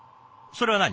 それは何？